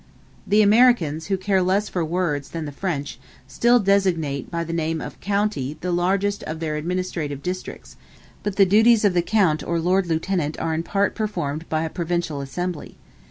The Americans, who care less for words than the French, still designate by the name of "county" the largest of their administrative districts: but the duties of the count or lord lieutenant are in part performed by a provincial assembly.